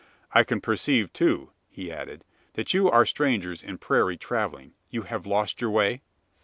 "I can perceive, too," he added, "that you are strangers to prairie travelling. You have lost your way?"